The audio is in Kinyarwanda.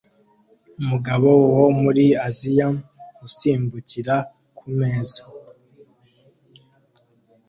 Umugabo wo muri Aziya usimbukira kumeza